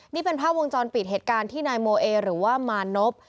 นี่เป็นภาพวงจรปิดเหตุการณ์ที่นายโมเอหรือว่ามานพ